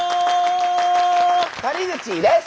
谷口です！